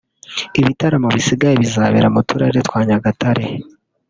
Ibitaramo bisigaye bizabera mu turere twa Nyagatare